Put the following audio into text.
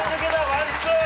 ワンツー。